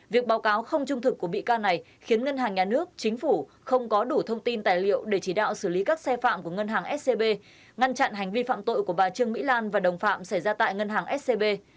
việc báo cáo không trung thực của bị can này khiến ngân hàng nhà nước chính phủ không có đủ thông tin tài liệu để chỉ đạo xử lý các xe phạm của ngân hàng scb ngăn chặn hành vi phạm tội của bà trương mỹ lan và đồng phạm xảy ra tại ngân hàng scb